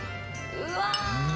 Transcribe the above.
うわ。